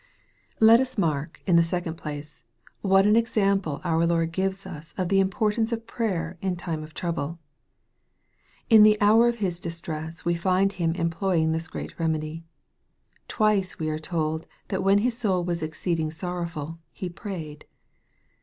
Let us mark, in the second place, what an example out Lord gives us of the importance of prayer in time of trouble. In the hour of His distress we find Him employing this great remedy. Twice we are told that when His soul was exceeding sorrowful, " He prayed."